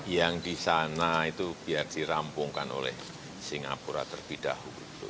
yang di sana itu biar dirampungkan oleh singapura terpidah